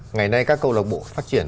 ngày nay các câu lạc bộ phát triển